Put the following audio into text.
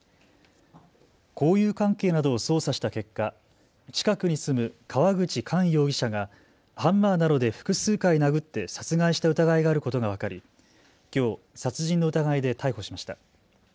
交友関係などを捜査した結果、近くに住む川口寛容疑者がハンマーなどで複数回殴って殺害した疑いがあることが分かりきょう殺人の疑いで逮捕しました。